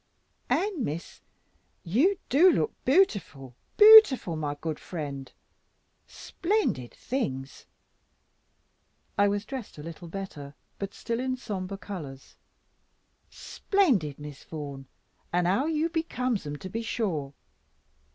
"And, Miss, you do look bootiful, bootiful, my good friend! Splendid things," I was dressed a little better, but still in sombre colours "splendid, Miss Vaughan, and how you becomes 'em to be sure!